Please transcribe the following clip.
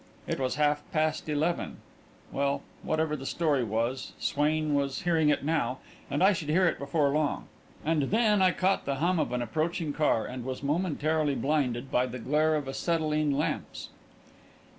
It was half past eleven. Well, whatever the story was, Swain was hearing it now, and I should hear it before long. And then I caught the hum of an approaching car, and was momentarily blinded by the glare of acetylene lamps.